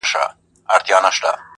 o د مېړه زوى ږغ په اوڼي کي لا معلومېږى.